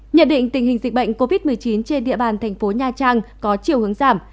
nhận định tình hình dịch bệnh covid một mươi chín trên địa bàn thành phố nha trang có chiều hướng giảm